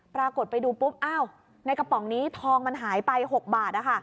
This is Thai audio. ปรากฏไปดูปุ๊บอ้าวในกระป๋องนี้ทองมันหายไป๖บาท